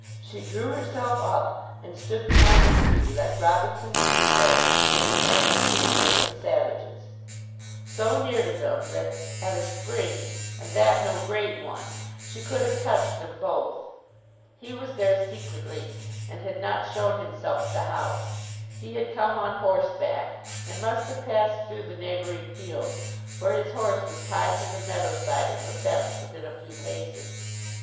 She drew herself up, and stood behind a tree, like Robinson Crusoe in his ambuscade against the savages; so near to them that at a spring, and that no great one, she could have touched them both. He was there secretly, and had not shown himself at the house. He had come on horseback, and must have passed through the neighbouring fields; for his horse was tied to the meadow side of the fence, within a few paces.